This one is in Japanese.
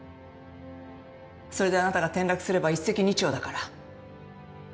それであなたが転落すれば一石二鳥だから。